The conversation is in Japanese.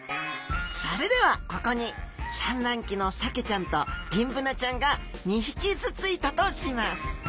それではここに産卵期のサケちゃんとギンブナちゃんが２匹ずついたとします。